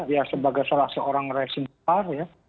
dia sebagai salah seorang reksimitar ya